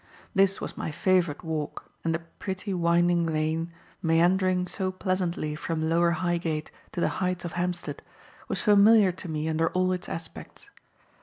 This was my favourite walk and the pretty winding lane, meandering so pleasantly from Lower Highgate to the heights of Hampstead, was familiar to me under all its aspects.